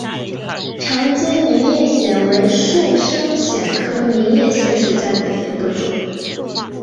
长尖明叶藓为树生藓科明叶藓属下的一个种。